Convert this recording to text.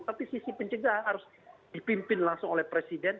tapi sisi pencegahan harus dipimpin langsung oleh presiden